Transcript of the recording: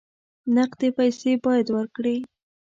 نقدې پیسې باید ورکړې.